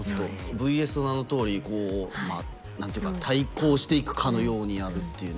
「ＶＳ」の名の通り対抗していくかのようにやるっていうね。